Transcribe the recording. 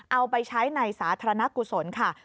เอาไปใช้ในสาธารณกุศลค่ะ